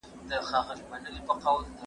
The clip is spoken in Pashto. موږ چي ول ډوډۍ به بالا پخه وي